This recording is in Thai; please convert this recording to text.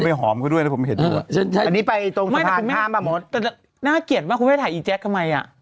โยยยิ้มเหมือนกันทำไม